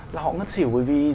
là họ ngất xỉu bởi vì